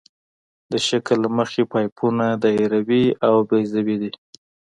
د شکل له مخې پایپونه دایروي او بیضوي وي